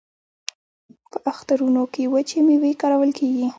په اخترونو کې وچې میوې کارول کیږي.